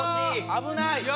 危ない。